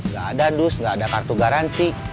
gak ada dus nggak ada kartu garansi